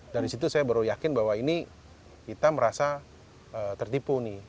dari situ saya baru yakin bahwa ini kita merasa tertipu nih